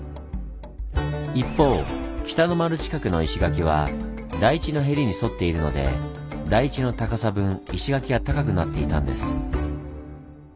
一方北の丸近くの石垣は台地のへりに沿っているので台地の高さ分石垣が高くなっていたんです。